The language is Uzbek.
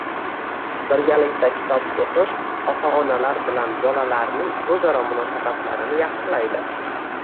Birgalikda kitob o‘qish ota-onalar bilan bolalarning o‘zaro munosabatlarini yaxshilaydi.